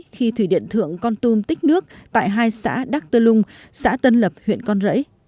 khi thủy điện thượng con tum tích nước tại hai xã đắc tơ lung xã tân lập huyện con rẫy